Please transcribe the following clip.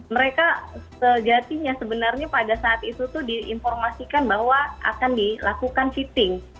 mereka sejatinya sebenarnya pada saat itu tuh diinformasikan bahwa akan dilakukan fitting